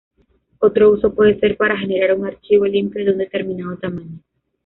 Otro uso puede ser para generar un archivo "limpio" de un determinado tamaño.